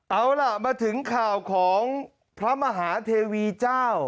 เอาล่ะมาถึงข่าวของพระมหาเทวีเจ้า